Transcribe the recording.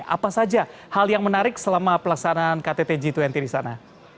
apa saja hal yang menarik selama pelaksanaan ktt g dua puluh di sana